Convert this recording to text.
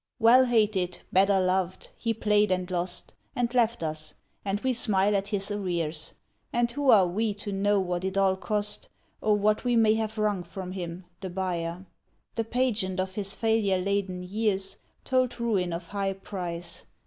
Well hated, better loved, he played and lost, And left us; and we smile at his arrears; And who are we to know what it all cost. Or what we may have wrung from him, the buyer? The pageant of his failure laden years Told ruin of high price.